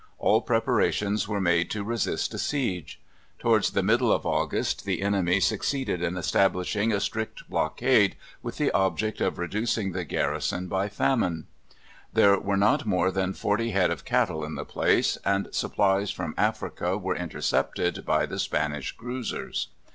All preparations were made to resist a siege. Towards the middle of August the enemy succeeded in establishing a strict blockade with the object of reducing the garrison by famine. There were not more than forty head of cattle in the place, and supplies from Africa were intercepted by the Spanish cruisers.